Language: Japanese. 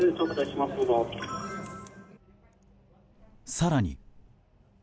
更に。